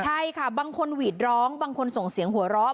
ใช่ค่ะบางคนหวีดร้องบางคนส่งเสียงหัวเราะ